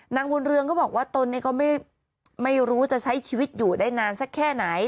นางบุญเรืองก็บอกว่าตนนี้ก็ไม่รู้จะใช้ชีวิตอยู่ได้นานสักแค่ไหน